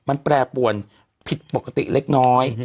มันแปรปวนผิดปกติเล็กน้อย